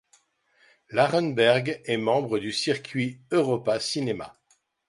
L'Arenberg est membre du circuit Europa Cinemas.